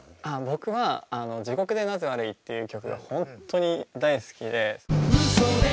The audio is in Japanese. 僕は「地獄でなぜ悪い」という曲が本当に大好きで。